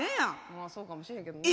まあそうかもしれへんけどな。